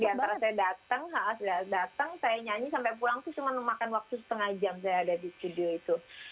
di antara saya datang saya nyanyi sampai pulang sih cuma memakan waktu setengah jam saya ada di studio itu